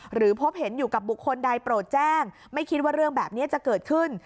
พบเห็นอยู่กับบุคคลใดโปรดแจ้งไม่คิดว่าเรื่องแบบนี้จะเกิดขึ้น